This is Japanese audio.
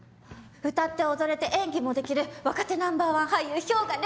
歌って踊れて演技もできる若手ナンバーワン俳優氷河涼。